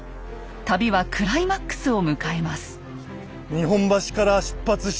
旅はクライマックスを迎えます。